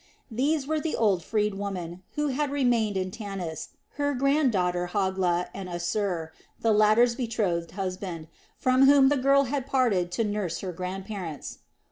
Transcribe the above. These were the old freedwoman, who had remained in Tanis, her granddaughter Hogla and Assir, the latter's betrothed husband, from whom the girl had parted to nurse her grandparents.